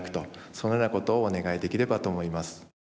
そのようなことをお願いできればと思います。